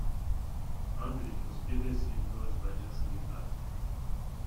Aldrich was previously endorsed by Jackson Guitars.